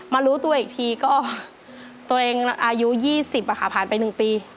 รู้ตัวอีกทีก็ตัวเองอายุ๒๐ค่ะผ่านไป๑ปี